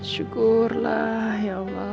syukurlah ya allah